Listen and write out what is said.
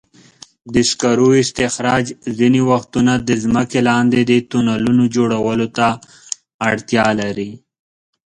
د سکرو استخراج ځینې وختونه د ځمکې لاندې د تونلونو جوړولو ته اړتیا لري.